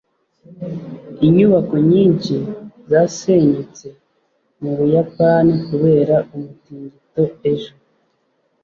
inyubako nyinshi zasenyutse mu buyapani kubera umutingito ejo